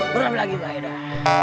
beram lagi bahaya dah